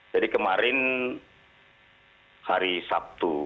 jadi kemarin hari sabtu